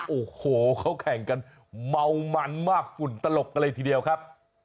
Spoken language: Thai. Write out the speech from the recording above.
โอ้โหเขาแข่งกันเมามันมากฝุ่นตลบกันเลยทีเดียวครับ